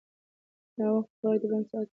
ناوخته خوراک د بدن ساعت ګډوډوي.